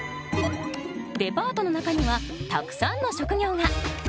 デパートの中にはたくさんの職業が！